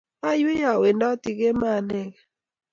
Aiywei awendot kemboi anekey